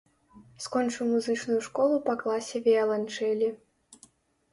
Скончыў музычную школу па класе віяланчэлі.